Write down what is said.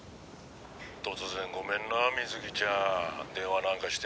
「突然ごめんな美月ちゃん電話なんかして」